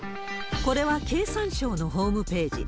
これは経産省のホームページ。